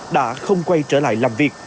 đã không quay trở lại làm việc